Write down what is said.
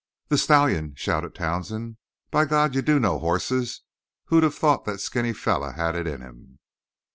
"The stallion!" shouted Townsend. "By God, you do know hosses! Who'd of thought that skinny fellow had it in him?"